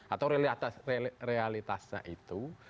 atau realitasnya itu